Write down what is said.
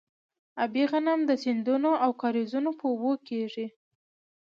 ابي غنم د سیندونو او کاریزونو په اوبو کیږي.